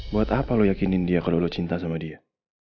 buat apa lo yakinin dia kalau lo cinta sama dia